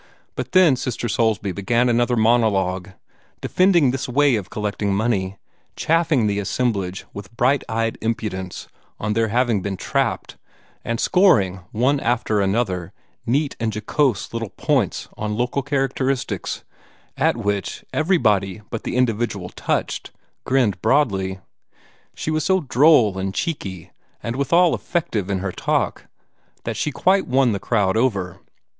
But then Sister Soulsby began another monologue, defending this way of collecting money, chaffing the assemblage with bright eyed impudence on their having been trapped, and scoring, one after another, neat and jocose little personal points on local characteristics, at which everybody but the individual touched grinned broadly. She was so droll and cheeky, and withal effective in her talk, that she quite won the crowd over.